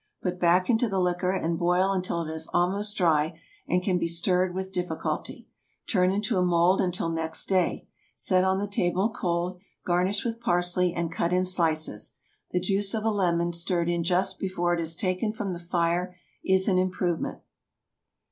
Put back into the liquor, and boil until it is almost dry and can be stirred with difficulty. Turn into a mould until next day. Set on the table cold, garnish with parsley, and cut in slices. The juice of a lemon, stirred in just before it is taken from the fire, is an improvement.